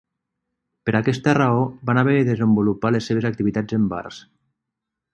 Per aquesta raó, van haver de desenvolupar les seves activitats en bars.